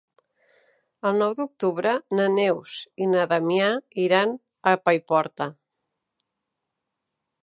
El nou d'octubre na Neus i na Damià iran a Paiporta.